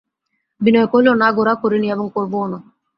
বিনয় কহিল, না গোরা, করি নি, এবং করবও না।